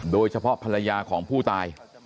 โดยเฉพาะภรรยาของผู้ตาย